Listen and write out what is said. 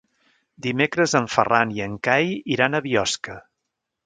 Dimecres en Ferran i en Cai iran a Biosca.